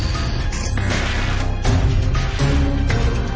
ตอนนี้ก็ไม่มีอัศวินทรีย์